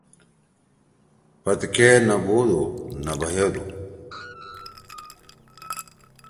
پتکے نہ بودُو، نہ بھیَدُو۔